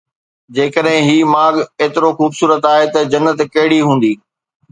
جيڪڏهن هي ماڳ ايترو خوبصورت آهي ته جنت ڪهڙي هوندي؟